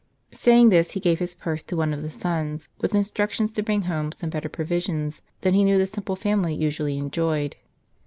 Saying this he gave his purse to one of the sons, with instructions to bring home some better provisions than he knew the simple family usually enjoyed.